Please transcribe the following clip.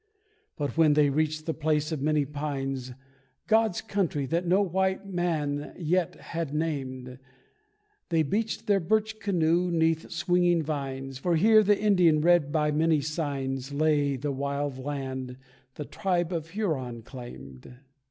But when they reached the place of many pines, God's country, that no white man yet had named They beached their birch canoe 'neath swinging vines, For here, the Indian read by many signs, Lay the wild land the tribe of Huron claimed.